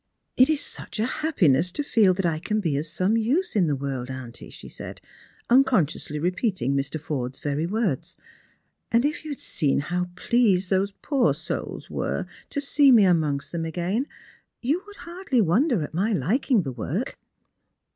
" It is such a happiness to feel that I can be of some use in the world, auntie," she said, unconsciously repeating Mr. Forde's very words ;" and if you had seen how pleased tliose poor souls were to see me amongst them again, yon would hardly wonder at my liking the work."